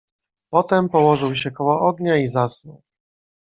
"Potem położył się koło ognia i zasnął."